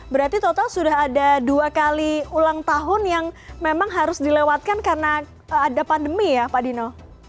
berarti total sudah ada dua kali ulang tahun yang memang harus dilewatkan karena ada pandemi ya pak dino